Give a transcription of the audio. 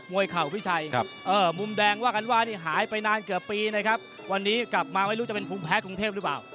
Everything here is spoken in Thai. เข่าพี่ชัยมุมแดงว่ากันว่านี่หายไปนานเกือบปีนะครับวันนี้กลับมาไม่รู้จะเป็นภูมิแพ้กรุงเทพหรือเปล่า